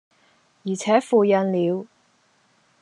而且付印了，